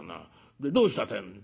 でどうしたってえんだ」。